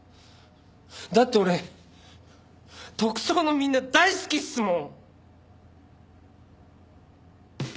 だって俺特捜のみんな大好きっすもん！